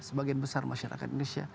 sebagian besar masyarakat indonesia